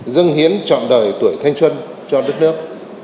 dân hiến trọn đời tuổi thanh xuân cho đất nước